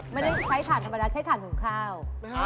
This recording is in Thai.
ไม่ใช้ทานธรรมดาใช้ทานหมูข้าว